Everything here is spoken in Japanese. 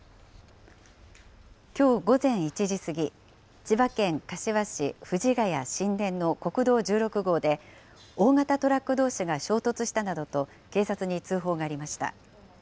きょう午前１時過ぎ、千葉県柏市藤ケ谷新田の国道１６号で、大型トラックどうしが衝突したなどと、警察に通報がありました。